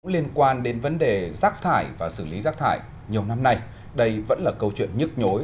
liên quan đến vấn đề rác thải và xử lý rác thải nhiều năm nay đây vẫn là câu chuyện nhức nhối